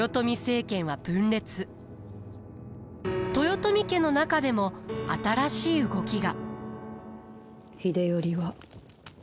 豊臣家の中でも新しい動きが。